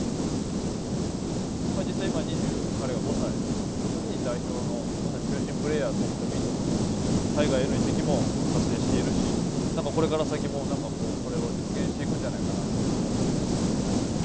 実際に今、彼が２５歳のときに、代表のまさに中心プレーヤーと言ってもいいと思いますし、海外への移籍も達成しているし、なんかこれ先もなんか、これを実現していくんじゃないかなと思いますよね。